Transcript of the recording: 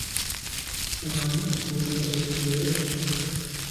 Omanyi okwogera Olungereza?